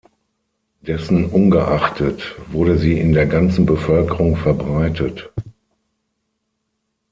Dessen ungeachtet wurde sie in der ganzen Bevölkerung verbreitet.